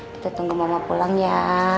kita tunggu mama pulang ya